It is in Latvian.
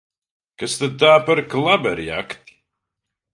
Kas tad tā par klaberjakti!